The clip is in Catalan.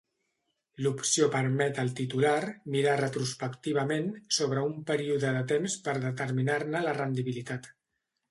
L'opció permet al titular "mirar retrospectivament" sobre un període de temps per determinar-ne la rendibilitat.